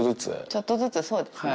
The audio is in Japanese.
ちょっとずつ、そうですね。